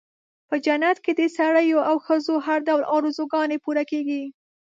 په جنت کې د سړیو او ښځو هر ډول آرزوګانې پوره کېږي.